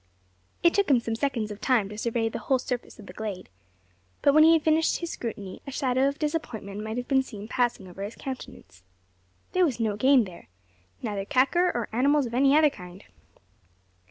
It took him some seconds of time to survey the whole surface of the glade; but when he had finished his scrutiny, a shadow of disappointment might have been seen passing over his countenance. There was no game there neither kakur nor animals of any other kind.